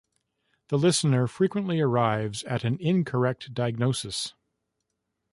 The listener frequently arrives at an incorrect diagnosis.